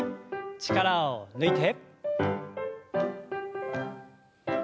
力を抜いて。